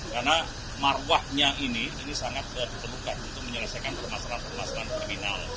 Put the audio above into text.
karena marwahnya ini ini sangat diperlukan untuk menyelesaikan permasalahan permasalahan kriminal